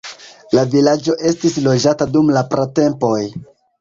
La vilaĝo estis loĝata dum la pratempoj.